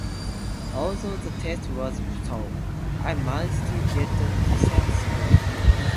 Although the test was tough, I managed to get a decent score.